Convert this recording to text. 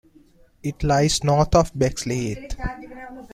It lies north of Bexleyheath.